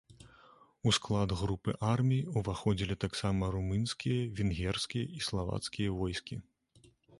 У склад групы армій уваходзілі таксама румынскія, венгерскія і славацкія войскі.